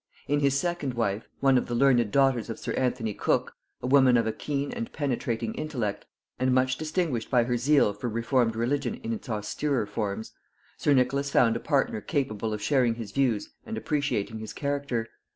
In his second wife, one of the learned daughters of sir Anthony Cook, a woman of a keen and penetrating intellect, and much distinguished by her zeal for reformed religion in its austerer forms, sir Nicholas found a partner capable of sharing his views and appreciating his character.